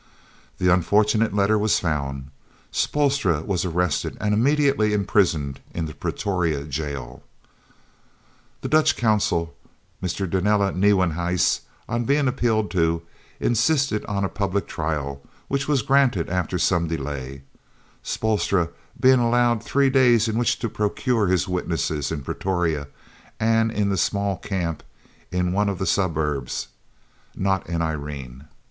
The unfortunate letter was found, Spoelstra was arrested and immediately imprisoned in the Pretoria Jail. The Dutch Consul, Mr. Domela Nieuwenhuis, on being appealed to, insisted on a public trial, which was granted after some delay, Spoelstra being allowed three days in which to procure his witnesses, in Pretoria and in the small Camp in one of the suburbs, not in Irene.